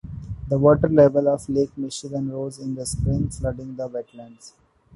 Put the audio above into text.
The water level of Lake Michigan rose in the spring, flooding the wetlands.